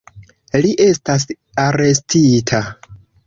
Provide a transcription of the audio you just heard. Li estas arestita.